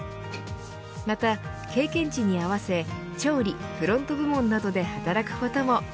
また、経験値に合わせ調理・フロント部門などで働くことも。